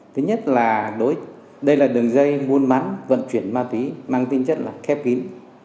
thứ nhất là đây là đường dây buôn bán vận chuyển ma túy mang tinh chất là khép kín